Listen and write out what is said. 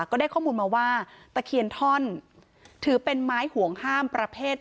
ก็ได้ข้อมูลมาว่าตะเคียนท่อนถือเป็นไม้ห่วงห้ามประเภท